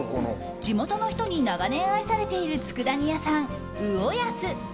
地元の人に長年愛されているつくだ煮屋さん、魚保。